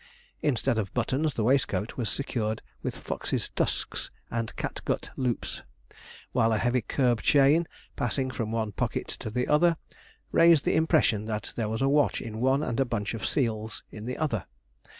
Instead of buttons, the waistcoat was secured with foxes' tusks and catgut loops, while a heavy curb chain, passing from one pocket to the other, raised the impression that there was a watch in one and a bunch of seals in the other.